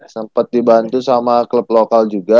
sempat dibantu sama klub lokal juga